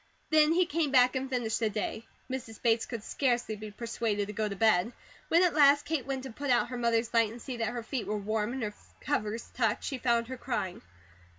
Then he came back and finished the day. Mrs. Bates could scarcely be persuaded to go to bed. When at last Kate went to put out her mother's light, and see that her feet were warm and her covers tucked, she found her crying.